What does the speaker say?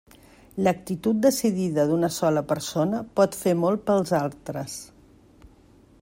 L'actitud decidida d'una sola persona pot fer molt pels altres.